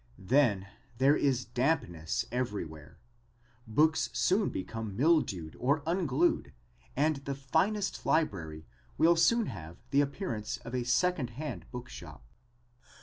Then there is dampness everywhere. Books soon become mildewed or unglued and the finest library will soon have the appearance of a secondhand bookshop.